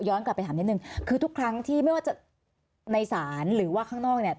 กลับไปถามนิดนึงคือทุกครั้งที่ไม่ว่าจะในศาลหรือว่าข้างนอกเนี่ย